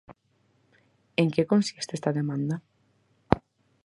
En que consiste esta demanda?